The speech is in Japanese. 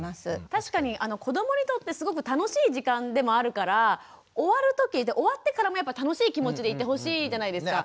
確かに子どもにとってすごく楽しい時間でもあるから終わってからも楽しい気持ちでいてほしいじゃないですか。